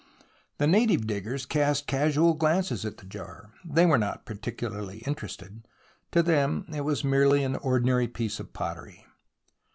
The native diggers cast casual glances at the jar. They were not particularly interested. To them it was merely an ordinary piece of pottery.